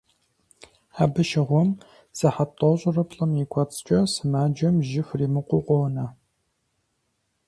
Абы щыгъуэм, сыхьэт тӏощӏрэ плӏым и кӀуэцӀкӏэ сымаджэм жьы хуримыкъуу къонэ.